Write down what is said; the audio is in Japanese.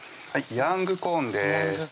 ヤングコーンね